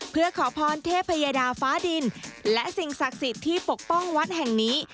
เพื่อขอพรเทพยดาฟ้าดินและสิ่งศักดิ์สิทธิ์ที่ปกป้องวัดแห่งนี้